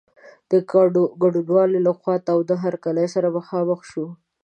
د ګډونوالو له خوا تاوده هرکلی سره مخامخ شو.